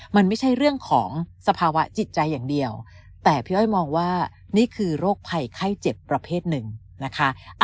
มันไม่ใช่เรื่องของสภาวะจิตใจอย่างเดียวแต่พี่อ้อยมองว่านี่คือโรคภัยไข้เจ็บประเภทหนึ่งนะคะ